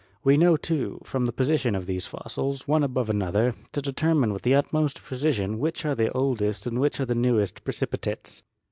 We know, too, from the position of these fossils, one above another, to determine with the utmost precision which are the oldest and which the newest pre cipitates.